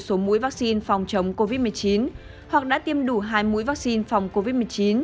có giấy xác nhận của số mũi vaccine phòng chống covid một mươi chín hoặc đã tiêm đủ hai mũi vaccine phòng covid một mươi chín